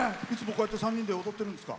いつも、こうやって３人で踊ってるんですか？